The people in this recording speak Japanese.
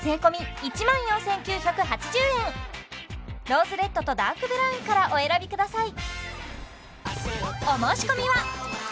ローズレッドとダークブラウンからお選びください